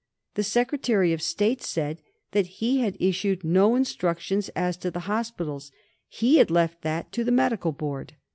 The Secretary of State said that he had issued no instructions as to the hospitals; he had left that to the Medical Board.